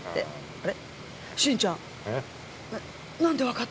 あれ？